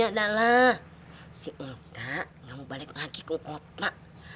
ini adalah si olga gak mau balik lagi ke kota